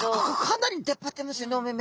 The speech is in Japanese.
かなり出っ張ってますよねお目々。